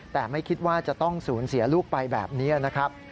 แต่ไม่คิดว่าจะต้องสูญเสียลูกไปแบบนี้นะครับ